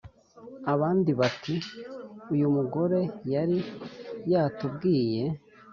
Abandi bati: "Uyu mugore yari yatubwiye,